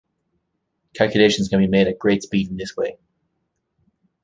Calculations can be made at great speed in this way.